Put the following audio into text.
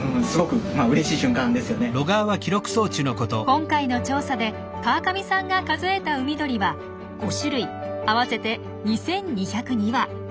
今回の調査で川上さんが数えた海鳥は５種類合わせて２，２０２羽！